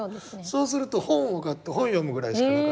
そうすると本を買って本を読むぐらいしかなかったり。